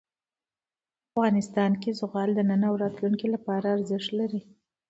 افغانستان کې زغال د نن او راتلونکي لپاره ارزښت لري.